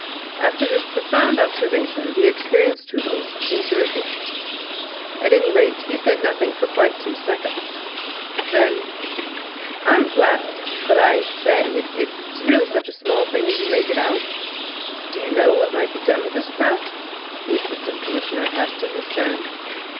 After this profound observation the experienced Toodles seemed to reflect. At any rate he said nothing for quite two seconds. Then: "I'm glad. But—I say—is it really such a very small thing as you make it out?" "Do you know what may be done with a sprat?" the Assistant Commissioner asked in his turn.